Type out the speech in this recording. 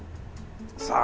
さあ